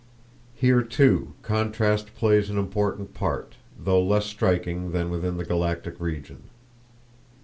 Here, too, contrast plays an important part, though less striking than within the galactic region.